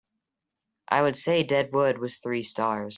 I would say Dead Wood was three stars